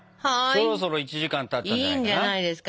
そろそろ１時間たったんじゃないかな。